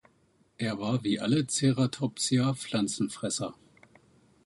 Er war wie alle Ceratopsia Pflanzenfresser.